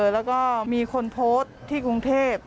แล้วก็มีคนโพสต์ที่กรุงเทพ